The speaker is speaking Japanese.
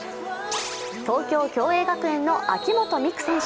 東京・共栄学園の秋本美空選手。